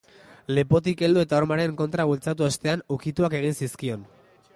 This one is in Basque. Lepotik heldu eta hormaren kontra bultzatu ostean, ukituak egin zizkion.